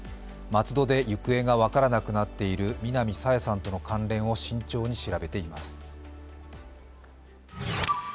松戸で行方が分からなくなっている南朝芽さんとの関連を慎重に調べています。